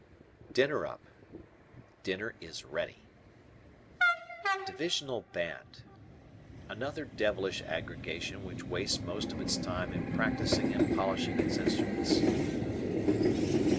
"Dinner up." Dinner is ready. Divisional Band. Another devilish aggregation which wastes moat of its time in practicing and polishing its instruments.